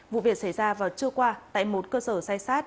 vụ việc xảy ra vào trưa qua tại một cơ sở sai sát